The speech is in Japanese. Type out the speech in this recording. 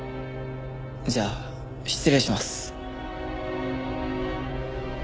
じゃあ失礼します。